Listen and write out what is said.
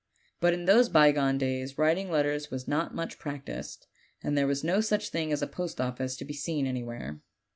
But in those bygone days writing letters was not much practiced, and there was no such thing as a post office to be seen anywhere.